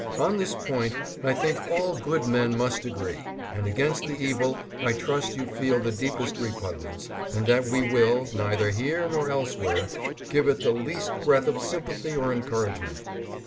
On this point I think all good men must agree, and against the evil I trust you feel the deepest repugnance, and that we will, neither here nor elsewhere, give it the least breath of sympathy or encouragement.